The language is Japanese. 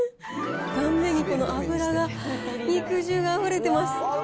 断面にこの脂が、肉汁があふれてます。